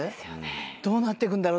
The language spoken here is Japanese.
どうなってくんだろう？